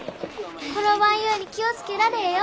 転ばんように気を付けられえよ。